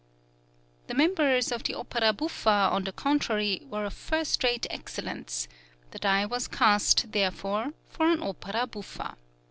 The members of the Opera Buffa, on the contrary, were of first rate excellence; the die was cast, therefore, for an opera buffa.